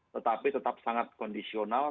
tetapi tetap sangat kondisional